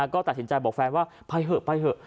ก็ตัดสินใจบอกแฟนว่าไปเถอะไปเถอะ